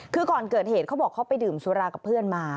คือก่อนเกิดเหตุเขาบอกเขาไปดื่มสุรากับเพื่อนมา